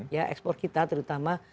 ya ekspor kita terutama